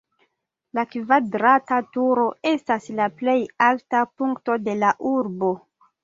La kvadrata turo estas la plej alta punkto de la urbo.